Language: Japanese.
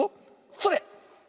それ！